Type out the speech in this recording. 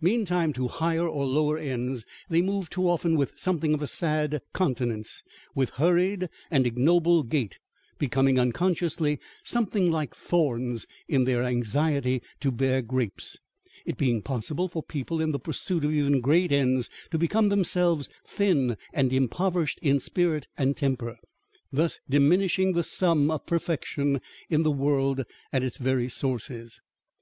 Meantime, to higher or lower ends, they move too often with something of a sad countenance, with hurried and ignoble gait, becoming, unconsciously, something like thorns, in their anxiety to bear grapes; it being possible for people, in the pursuit of even great ends, to become themselves thin and impoverished in spirit and temper, thus diminishing the sum of perfection in the world, at its very sources.